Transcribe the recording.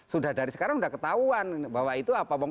sudah dari sekarang sudah ketahuan bahwa itu apa